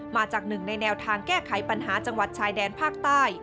มาจากหนึ่งในแนวทางแก้ไขปัญหาจังหวัดชายแดนภาคใต้